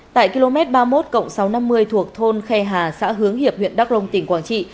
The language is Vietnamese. tại km ba mươi một sáu trăm năm mươi thuộc thôn khe hà xã hướng hiệp huyện đắk rông tỉnh quảng trị